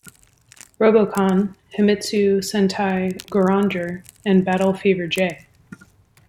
Robocon", "Himitsu Sentai Goranger" and "Battle Fever J".